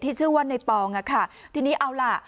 ที่ชื่อว่านายปองทีนี้เอาล่ะ